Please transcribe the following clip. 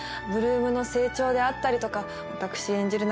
８ＬＯＯＭの成長であったりとか私演じる